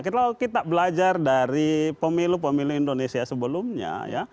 kalau kita belajar dari pemilu pemilu indonesia sebelumnya ya